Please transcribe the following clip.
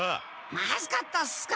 まずかったっすか？